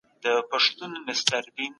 دا پاڼي د منځنۍ اسیا مهم فصل دی